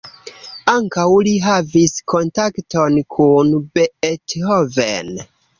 Ankaŭ li havis kontakton kun Beethoven.